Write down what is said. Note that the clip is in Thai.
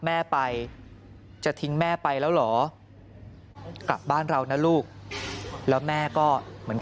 แม่ไปจะทิ้งแม่ไปแล้วเหรอกลับบ้านเรานะลูกแล้วแม่ก็เหมือนกับ